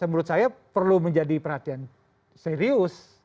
jadi menurut saya perlu menjadi perhatian serius